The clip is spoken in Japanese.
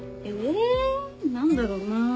え何だろうな。